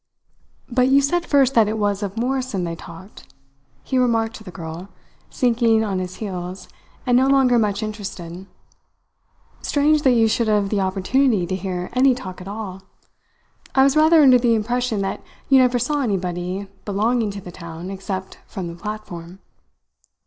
"But you said first that it was of Morrison they talked," he remarked to the girl, sinking on his heels, and no longer much interested. "Strange that you should have the opportunity to hear any talk at all! I was rather under the impression that you never saw anybody belonging to the town except from the platform."